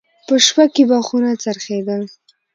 په شپه کې به خونه څرخېدل.